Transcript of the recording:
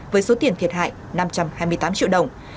với số tiền thiệt hại năm trăm hai mươi tám triệu đồng